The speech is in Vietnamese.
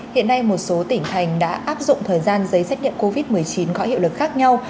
hiện nay một số tỉnh thành đã áp dụng thời gian giấy xét nghiệm covid một mươi chín có hiệu lực khác nhau